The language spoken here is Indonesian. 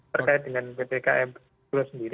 terkait dengan ptkm itu sendiri